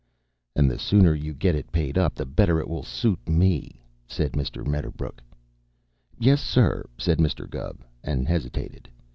"And the sooner you get it paid up the better it will suit me," said Mr. Medderbrook. "Yes, sir," said Mr. Gubb, and hesitated.